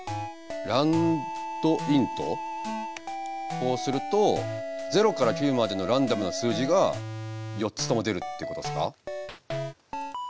こうすると０から９までのランダムな数字が４つとも出るってことですか？